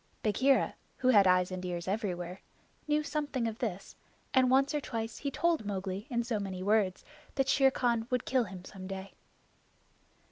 Bagheera, who had eyes and ears everywhere, knew something of this, and once or twice he told Mowgli in so many words that Shere Khan would kill him some day.